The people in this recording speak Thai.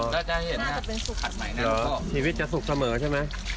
แล้วจะให้เห็นแหละคัดใหม่ได้ชีวิตจะสุขเสมอใช่ไหม